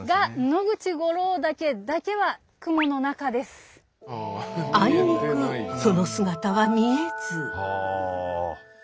があいにくその姿は見えず。